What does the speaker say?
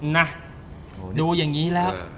นะดูอย่างนี้แล้ว